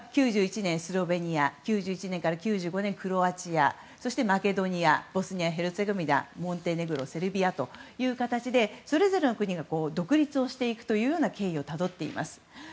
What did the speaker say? ９１年、スロベニア９２年から９５年でクロアチア、そしてマケドニアボスニア・ヘルツェゴビナモンテネグロセルビアという形でそれぞれの国が独立していくという経緯をたどっています。